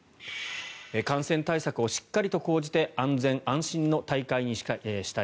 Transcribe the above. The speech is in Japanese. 感染対策をしっかりと講じて安全安心の大会にしたい。